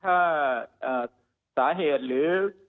ถ้าสาเหตุหรือ